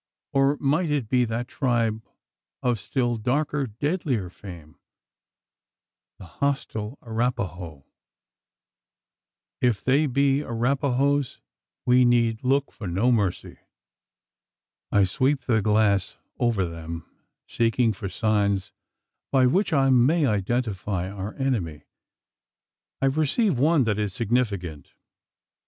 Or might it be that tribe of still darker, deadlier fame the hostile Arapaho? If they be Arapahoes, we need look for no mercy. I sweep the glass over them, seeking for signs by which I may identify our enemy. I perceive one that is significant.